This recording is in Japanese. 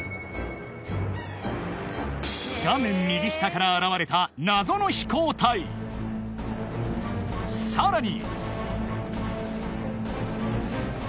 画面右下から現れた謎の飛行体さらに！